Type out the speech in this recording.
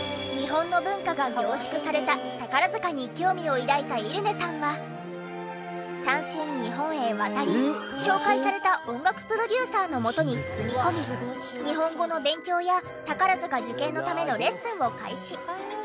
を抱いたイレネさんは単身日本へ渡り紹介された音楽プロデューサーのもとに住み込み日本語の勉強や宝塚受験のためのレッスンを開始。